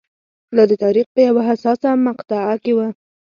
دا د تاریخ په یوه حساسه مقطعه کې و.